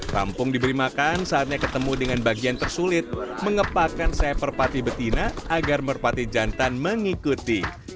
rampung diberi makan saatnya ketemu dengan bagian tersulit mengepakkan seperpati betina agar merpati jantan mengikuti